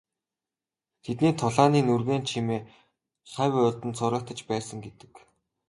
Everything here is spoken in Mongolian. Тэдний тулааны нүргээн чимээ хавь ойрд нь цуурайтаж байсан гэдэг.